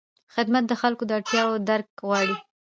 خدمت د خلکو د اړتیاوو درک غواړي.